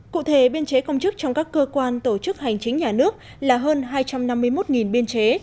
cụ thể biên chế công chức trong các cơ quan tổ chức hành chính nhà nước là hơn hai trăm năm mươi một biên chế